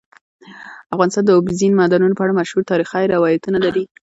افغانستان د اوبزین معدنونه په اړه مشهور تاریخی روایتونه لري.